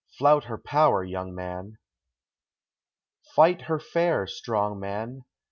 Flout her power, young man! Fight her fair, strong man!